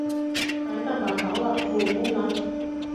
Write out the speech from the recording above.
Ҡайҙа барһа ла хур булмаҫ.